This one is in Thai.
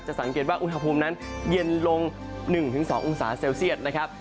สังเกตว่าอุณหภูมินั้นเย็นลง๑๒องศาเซลเซียตนะครับ